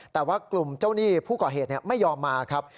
แต่ว่ากลุ่มเจ้าหนี้ผู้ก่อเหตุไม่ยอมมาครับ